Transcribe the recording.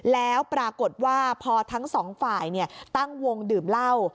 แล้วปรากฏว่าพอทั้งสองฝ่ายตั้งวงดื่มเหล้า